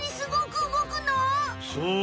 そう。